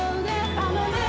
「あのね」